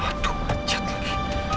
aduh pencet lagi